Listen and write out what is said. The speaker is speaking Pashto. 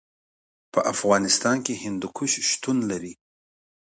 په افغانستان کې هندوکش شتون لري.